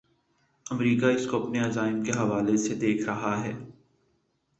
امریکہ اس کو اپنے عزائم کے حوالے سے دیکھ رہا ہے۔